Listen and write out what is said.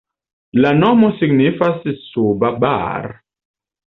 La nomo signifas suba Bar.